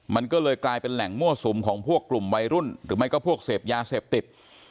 มันก็เลยกลายเป็นแหล่งมั่วสุมของพวกกลุ่มวัยรุ่นหรือไม่ก็พวกเสพยาเสพติด